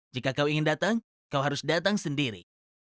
jika kau ingin datang kau harus datang sendiri